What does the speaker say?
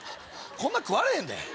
こんな食われへんで。